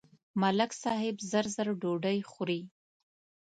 ملک صاحب زر زر ډوډۍ خوري.